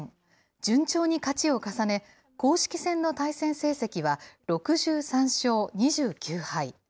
順調に勝ちを重ね、公式戦の対戦成績は６３勝２９敗。